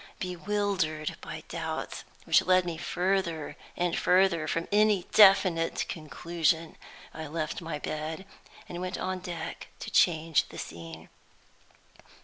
Bewildered by doubts which led me further and further from any definite conclusion, I left my bed and went on deck to change the scene.